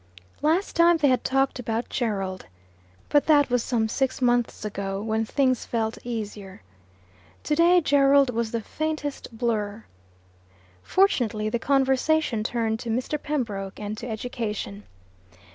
Last time they had talked about Gerald. But that was some six months ago, when things felt easier. Today Gerald was the faintest blur. Fortunately the conversation turned to Mr. Pembroke and to education.